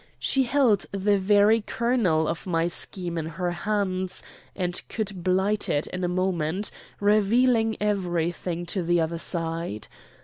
She held the very kernel of my scheme in her hands, and could blight it in a moment, revealing everything to the other side.